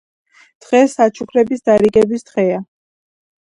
დღეს საჩუქრების დარიგების დღეა